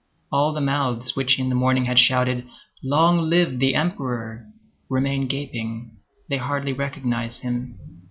All the mouths which in the morning had shouted, "Long live the Emperor!" remain gaping; they hardly recognize him.